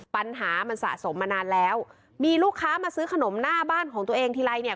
ปัญหามันสะสมมานานแล้วมีลูกค้ามาซื้อขนมหน้าบ้านของตัวเองทีไรเนี่ย